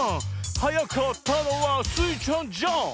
「はやかったのはスイちゃんじゃん」